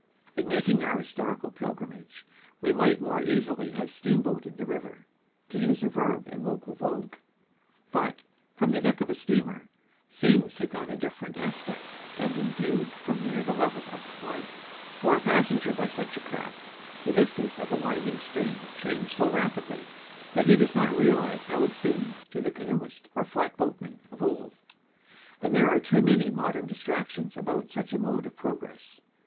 In making our historical pilgrimage we might more easily have "steamboated" the river, to use a verb in local vogue; but, from the deck of a steamer, scenes take on a different aspect than when viewed from near the level of the flood; for a passenger by such a craft, the vistas of a winding stream change so rapidly that he does not realize how it seemed to the canoeist or flatboatman of old; and there are too many modern distractions about such a mode of progress.